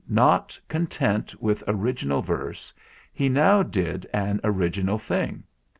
Not content with original verse, he now did an original thing.